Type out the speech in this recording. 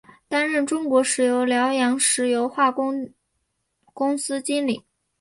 担任中国石油辽阳石油化工公司经理。